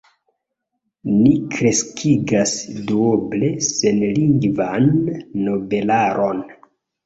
"Ni kreskigas duoble senlingvan nobelaron.